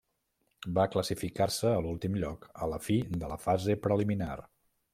Va classificar-se a l'últim lloc a la fi de la fase preliminar.